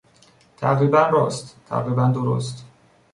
تقریبا راست، تقریبا درست